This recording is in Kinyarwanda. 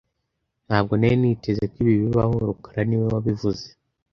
Ntabwo nari niteze ko ibi bibaho rukara niwe wabivuze